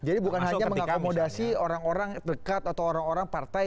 jadi bukan hanya mengakomodasi orang orang dekat atau orang orang partai